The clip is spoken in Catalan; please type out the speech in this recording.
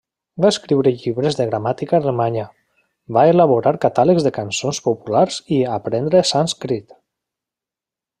Va escriure llibres de gramàtica alemanya, va elaborar catàlegs de cançons populars i aprendre sànscrit.